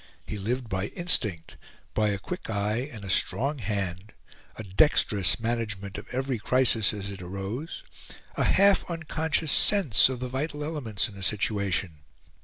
He lived by instinct by a quick eye and a strong hand, a dexterous management of every crisis as it arose, a half unconscious sense of the vital elements in a situation.